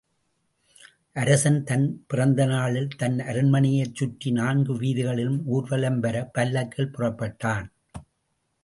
அரசன் தன் பிறந்தநாளில் தன் அரண்மனையைச் சுற்றி நான்கு வீதிகளிலும் ஊர்வலம்வரப் பல்லக்கில் புறப்பட்டான்.